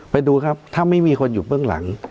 ไปดูครับถ้าไม่มีคนอยู่เบื้องหลัง